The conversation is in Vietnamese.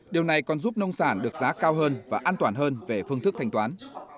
điều này còn giúp nông sản được giá cao hơn và an toàn hơn về phương thức thanh toán